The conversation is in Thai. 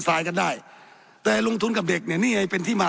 ไลน์กันได้แต่ลงทุนกับเด็กเนี่ยนี่ไงเป็นที่มา